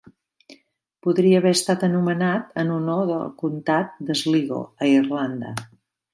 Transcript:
Podria haver estat anomenat en honor del Comtat de Sligo a Irlanda.